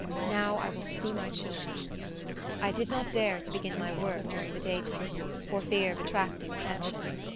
Now I will see my children." I did not dare to begin my work during the daytime, for fear of attracting attention.